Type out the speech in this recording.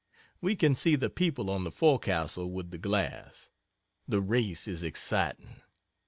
We can see the people on the forecastle with the glass. The race is exciting.